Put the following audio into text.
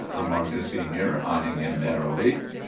remarked a Senior, eying him narrowly.